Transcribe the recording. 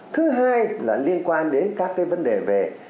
thứ hai là liên quan đến các cái vấn đề về